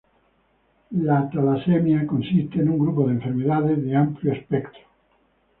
La talasemia consiste en un grupo de enfermedades de amplio espectro.